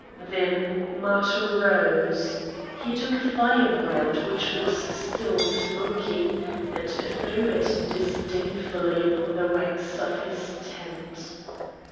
Then Matho rose. He took a firebrand which was still smoking, and threw it disdainfully upon the wrecks of his tent.